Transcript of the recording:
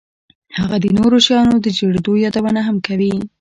هغه د نورو شیانو د جوړېدو یادونه هم کوي